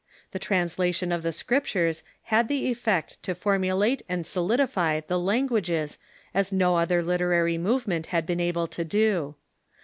The translation of the Scriptures had the effect to formulate and solidif}^ the languages as no other literary movement had been able to do.